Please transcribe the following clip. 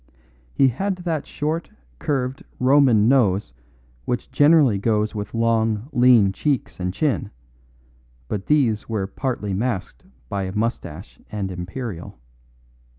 He had that short, curved Roman nose which generally goes with long, lean cheeks and chin, but these were partly masked by moustache and imperial.